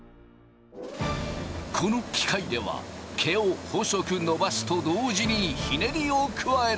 この機械では毛を細く伸ばすと同時にひねりを加える。